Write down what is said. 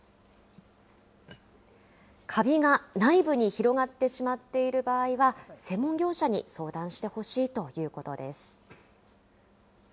カビが内部に広がってしまっている場合は、専門業者に相談してほしいということです。